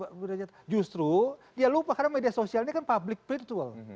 ya kan bukan di pilihan gereja justru dia lupa karena media sosial ini kan public plate tuh